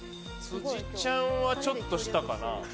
辻ちゃんはちょっとしたかな？